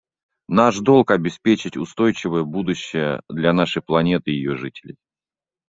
Наш долг — обеспечить устойчивое будущее для нашей планеты и ее жителей.